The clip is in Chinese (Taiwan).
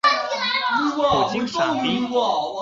普京傻屄